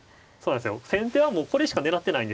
先手はもうこれしか狙ってないんですよ。